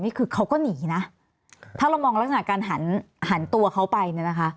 นี่คือเขาก็หนีนะถ้าเรามองลักษณะการหันตัวเขาไป